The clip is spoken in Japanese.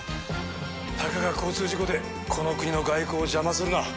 たかが交通事故でこの国の外交を邪魔するな。